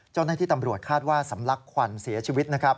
เจ้าแน่ที่ตำรวจคาดว่าสำลักควัญเสียชีวิต